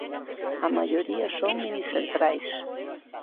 A maioría son minicentrais.